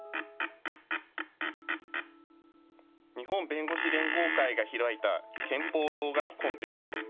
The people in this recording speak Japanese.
日本弁護士連合会が開いた憲法動画コンテスト。